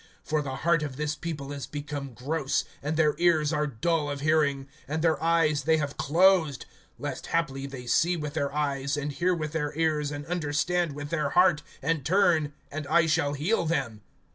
(27)For the heart of this people is become gross, And their ears are dull of hearing, And their eyes they have closed; Lest haply they see with their eyes, And hear with their ears, And understand with their heart, And turn, and I shall heal them.